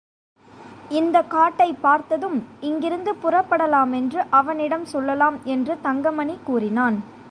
இந்தக் காட்டைப் பார்த்ததும் இங்கிருந்து புறப்படலாமென்று அவனிடம் சொல்லலாம் என்று தங்கமணி கூறிானன்.